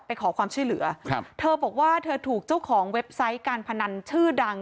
ขอความช่วยเหลือครับเธอบอกว่าเธอถูกเจ้าของเว็บไซต์การพนันชื่อดัง